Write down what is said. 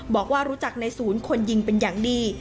บอกว่ารู้จักในศูนย์คนยิงเป็นอย่างดี